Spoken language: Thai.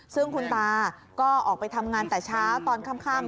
ซึ่งคุณตาก็ออกไปทำงานแต่เช้าตอนค่ำ